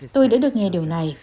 tôi đã được nghe điều này